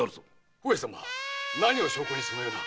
上様何を証拠にそのような。